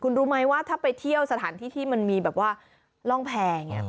คุณรู้ไหมว่าถ้าไปเที่ยวสถานที่ที่มันมีแบบว่าร่องแพรอย่างนี้